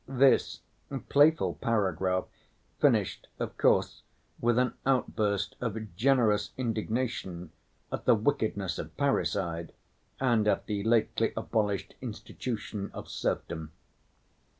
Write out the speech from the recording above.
This playful paragraph finished, of course, with an outburst of generous indignation at the wickedness of parricide and at the lately abolished institution of serfdom.